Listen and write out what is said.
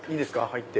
入って。